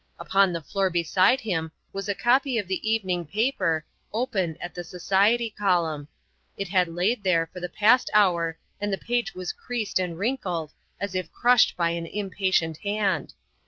Upon the floor beside him was a copy of the evening paper open at the society column ; it had laid there for the past hour and the page was creased and wrinkled as if crushed by an impatient hand.